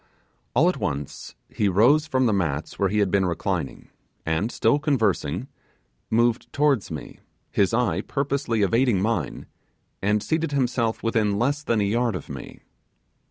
All at once he rose from the mats where he had been reclining, and, still conversing, moved towards me, his eye purposely evading mine, and seated himself within less than a yard of me.